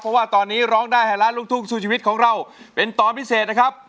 เพราะว่าตอนนี้ร้องได้ให้ล้านลูกทุ่งสู้ชีวิตของเราเป็นตอนพิเศษนะครับ